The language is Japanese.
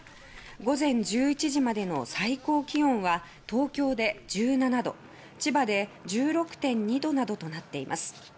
午前１１時までの最高気温は東京で１７度千葉で１６．２度などとなっています。